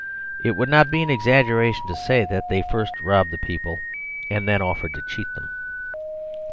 It would not be an exaggeration to say that they first robbed the people, and then offered to cheat them.